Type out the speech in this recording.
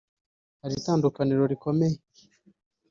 hari itandukaniro rikomeye